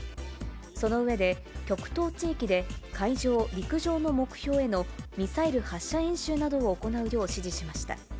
その上で、極東地域で、海上・陸上の目標へのミサイル発射演習などを行うよう指示しました。